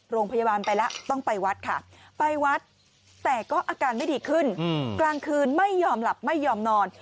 ไปแล้วต้องไปวัดค่ะไปวัดแต่ก็อาการไม่ดีขึ้นกลางคืนไม่ยอมหลับไม่ยอมนอน